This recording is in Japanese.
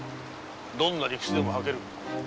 どんな理屈でも吐ける。